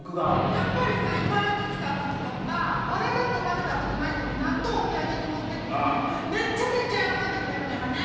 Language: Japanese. やっぱりさ茨城来た時とかわら納豆食べたことない人に納豆お土産に持ってくとねめちゃめちゃ喜んでくれるネバね。